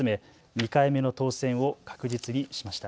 ２回目の当選を確実にしました。